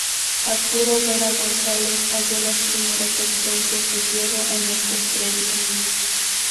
Arturo Vera González halló las primeras evidencias de hierro en estos predios.